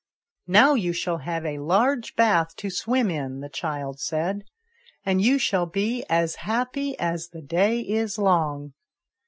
" Now you shall have a large bath to swim in," the child said, " and you shall be as happy as the day is long."